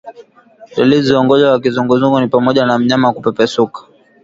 Dalili za ugonjwa wa kizunguzungu ni pamoja na mnyama kupepesuka